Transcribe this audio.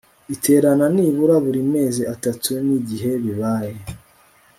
iterana nibura buri mezi atatu n igihe bibaye